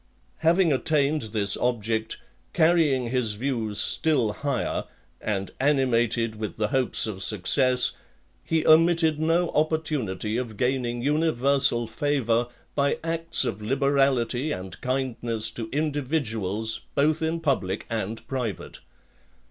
Having attained this object, carrying his views still higher, and animated with the hopes of success, he omitted no (18) opportunity of gaining universal favour, by acts of liberality and kindness to individuals, both in public and private.